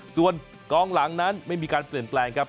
ส่วนกองหลังนั้นไม่มีการเปลี่ยนแปลงครับ